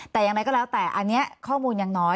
แต่อย่างไรก็แล้วแต่อันนี้ข้อมูลยังน้อย